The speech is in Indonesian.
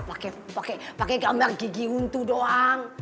pakai pakai pakai gambar gigi untu doang